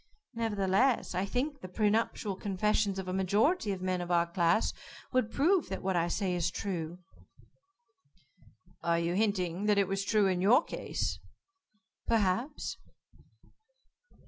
"Nevertheless, I think the pre nuptial confessions of a majority of men of our class, would prove that what I say is true." "Are you hinting that it was true in your case?" "Perhaps."